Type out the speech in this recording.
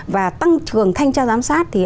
và tăng trường thanh tra giám sát thì